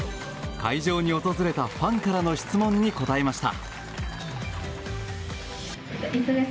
会場に訪れたファンからの質問に答えました。